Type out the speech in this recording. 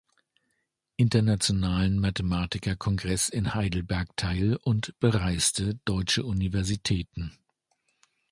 Internationalen Mathematikerkongress in Heidelberg teil und bereiste deutsche Universitäten.